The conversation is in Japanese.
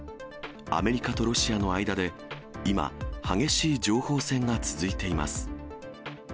アメリカとロシアの間で今、激しい情報戦が続いています。